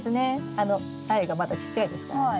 あの苗がまだちっちゃいですからね。